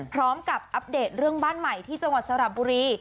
อัปเดตเรื่องบ้านใหม่ที่จังหวัดสระบุรี